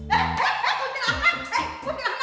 eh eh eh putih lakar